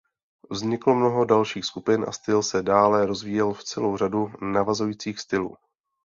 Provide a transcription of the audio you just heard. Vzniklo mnoho dalších skupin a styl se dále rozvíjel v celou řadu navazujících stylů.